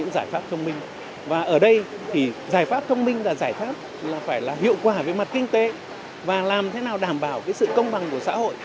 hiệu quả về mặt kinh tế và làm thế nào đảm bảo sự công bằng của xã hội